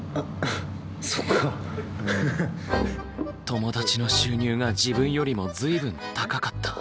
友達の収入が自分よりも随分高かった。